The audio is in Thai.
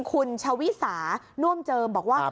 คุณชวิสาน่วมเจิมบอกว่า